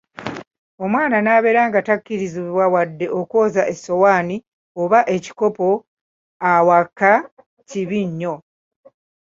Omwana nabeera nga takkirizibwa wadde okwoza essowaani oba ekikopo awaaka! kibi nyo.